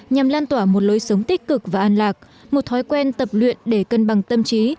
nhằm lan tỏa một lối sống tích cực và an lạc một thói quen tập luyện để cân bằng tâm trí